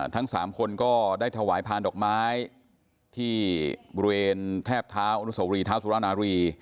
ทั้งสามคนก็ได้ถวายพานดอกไม้ที่บริเวณแทบเท้าอนุสวรีเท้าสุรนารี